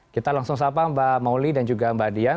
kita langsung sapa mbak mauli dan juga mbak dian